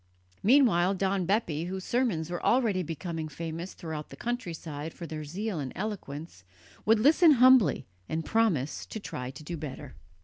Meanwhile Don Bepi, whose sermons were already becoming famous throughout the countryside for their zeal and eloquence, would listen humbly and promise to try to do better.